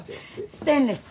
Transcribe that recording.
ステンレス。